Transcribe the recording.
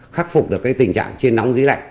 khắc phục được tình trạng trên nóng dưới lạnh